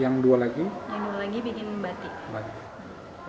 yang dua lagi bikin batik